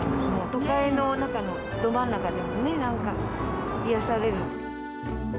都会の中の、ど真ん中で、なんか癒やされる。